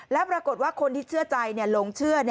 แล้วปรากฏว่าคนที่เชื่อใจหลงเชื่อ